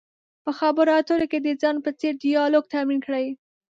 په خبرو اترو کې د ځان په څېر ډیالوګ تمرین کړئ.